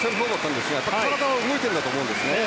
体は動いているんだと思います。